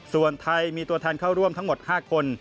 ส่วนไทยมีตัวแทนเข้าร่วมทั้งหมด๕คน